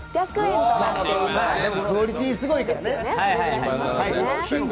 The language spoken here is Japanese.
でもこのクオリティー、すごいからね